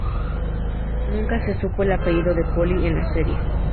Nunca se supo el apellido de Polly en la serie.